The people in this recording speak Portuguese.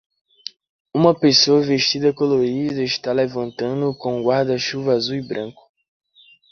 Uma pessoa vestida colorida está levantando com um guarda-chuva azul e branco.